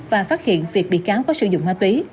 và phát hiện việc bị cáo có sử dụng ma túy